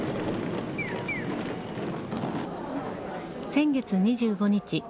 先月２５日。